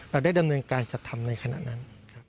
เราได้ดำเนินการจัดทำในขณะนั้น